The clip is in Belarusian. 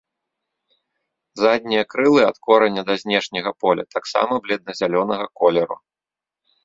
Заднія крылы ад кораня да знешняга поля таксама бледна-зялёнага колеру.